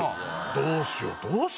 どうしよう？